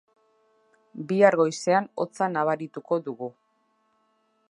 Bihar goizean hotza nabarituko dugu.